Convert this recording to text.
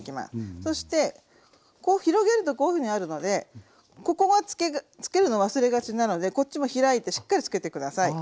そしてこう広げるとこういうふうになるのでここがつけるの忘れがちなのでこっちも開いてしっかりつけて下さい。